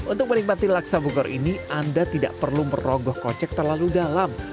untuk menikmati laksa bogor ini anda tidak perlu merogoh kocek terlalu dalam